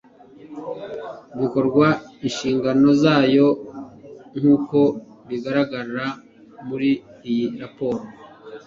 bikorwa inshingano zayo nk uko bigaragara muri iyi raporo